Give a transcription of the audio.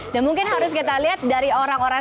dan mungkin harus kita lihat dari orang orang